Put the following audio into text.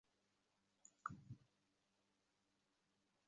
প্রমাণ চুরি করা একটি গুরুতর অপরাধ।